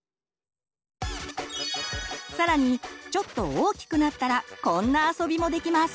更にちょっと大きくなったらこんな遊びもできます！